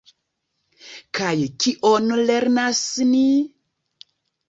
Kaj kion lernas ni?